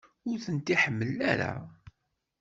Ur ten-iḥemmel ara?